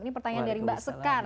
ini pertanyaan dari mbak sekar